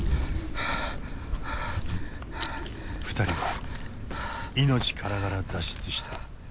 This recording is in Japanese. ２人は命からがら脱出した。